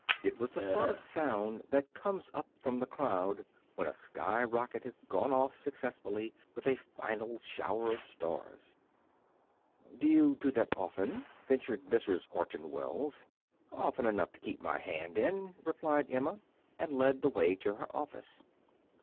It was the sort of sound that comes up from the crowd when a sky rocket has gone off successfully, with a final shower of stars. "Do you do that often?" ventured Mrs. Orton Wells. "Often enough to keep my hand in," replied Emma, and led the way to her office.